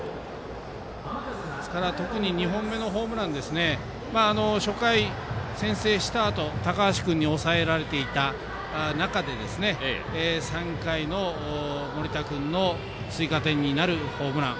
特に２本目のホームラン初回、先制したあと高橋君に抑えられていた中で３回の森田君の追加点になるホームラン